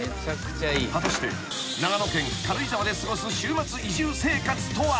［果たして長野県軽井沢で過ごす週末移住生活とは］